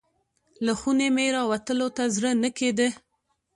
له خونې مې راوتلو ته زړه نه کیده.